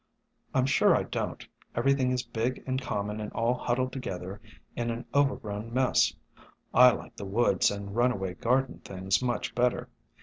"I Jm sure I don't. Everything is big and common and all huddled together in an overgrown mess. I like the woods and runaway garden things much better.